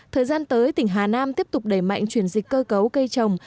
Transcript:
thời gian tới tỉnh hà nam tiếp tục đẩy mạnh chuyển dịch cơ cấu cây trồng